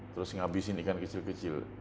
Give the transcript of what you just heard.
terus ngabisin ikan kecil kecil